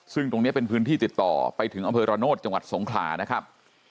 ซึ่งตรงนี้เป็นพื้นที่ติดต่อไปถึงอำเภอระโนธจังหวัดสงขลานะครับ